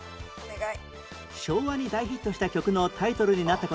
昭和に大ヒットした曲のタイトルになった事で